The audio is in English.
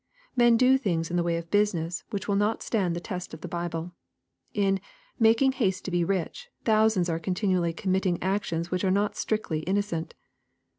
Men do things in the way of business, which will not stand the test of the Bible. In " making haste to be rich," thousands are continually committing actions which are not strictly innocent.